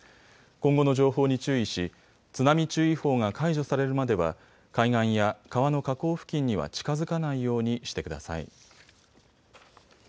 今後の情報に注意し、津波注意報が解除されるまでは海岸や川の河口付近には近づかないようにしてください。